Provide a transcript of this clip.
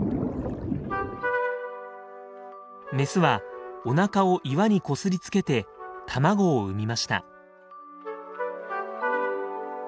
メスはおなかを岩にこすりつけて卵を産みました。